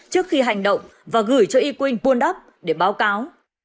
trước khi hành động và gửi cho ý quỳnh buôn đắp để báo cáo